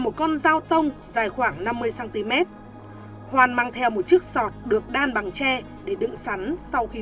một con dao tông dài khoảng năm mươi cm hoan mang theo một chiếc sọt được đan bằng tre để đựng sắn sau khi